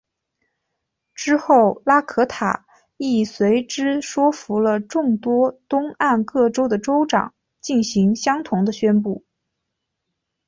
之后拉可塔亦随之说服了众多东岸各州的州长进行相同的宣布。